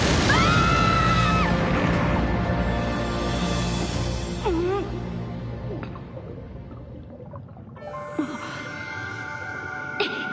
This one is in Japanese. あっ。